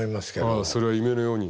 ああそれは夢のように。